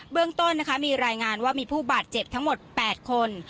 เรื่องต้นนะคะมีรายงานว่ามีผู้บาดเจ็บทั้งหมด๘คน